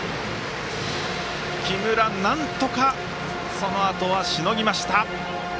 木村、なんとか、そのあとはしのぎました。